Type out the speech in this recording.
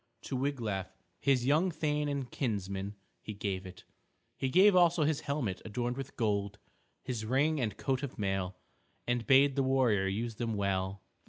To Wiglaf, his young thane and kinsman, he gave it. He gave also his helmet adorned with gold, his ring and coat of mail, and bade the warrior use them well.